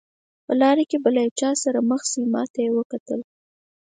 په لاره کې به له یو چا سره مخ شئ، ما ته یې وکتل.